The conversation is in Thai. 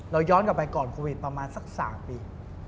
ย้อนกลับไปก่อนโควิดประมาณสัก๓ปี